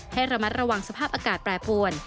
ให้ระมัดระวังสภาพอากาศแปรปวน